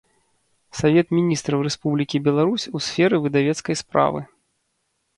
Савет Мiнiстраў Рэспублiкi Беларусь у сферы выдавецкай справы.